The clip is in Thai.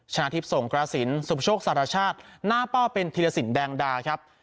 ชนะทิพย์สงกระสินสุประโชคสารชาติหน้าเป้าเป็นธีรสินแดงดาครับ